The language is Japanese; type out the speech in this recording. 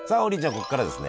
ここからですね